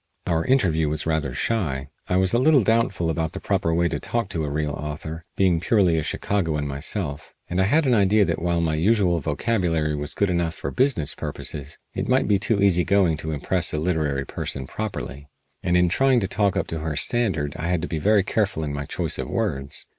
Our interview was rather shy. I was a little doubtful about the proper way to talk to a real author, being purely a Chicagoan myself, and I had an idea that while my usual vocabulary was good enough for business purposes it might be too easy going to impress a literary person properly, and in trying to talk up to her standard I had to be very careful in my choice of words.